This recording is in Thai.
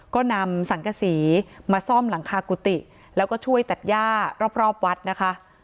ก็นำสังกษีมาซ่อมหลังคากุฏิแล้วก็ช่วยตัดย่ารอบวัดนะคะ